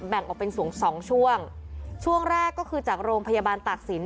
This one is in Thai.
แบ่งออกเป็นสูงสองช่วงช่วงแรกก็คือจากโรงพยาบาลตากศิลป